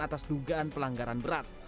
atas dugaan pelanggaran berat